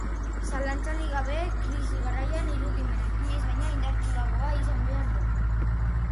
Zalantzarik gabe, krisi garaian irudimenak inoiz baino indartsuagoa izan behar du.